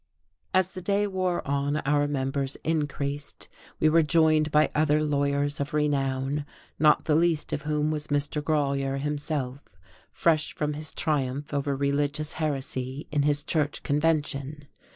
As the day wore on our numbers increased, we were joined by other lawyers of renown, not the least of whom was Mr. Grolier himself, fresh from his triumph over religious heresy in his Church Convention.